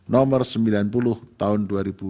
nomor sembilan puluh tahun dua ribu dua puluh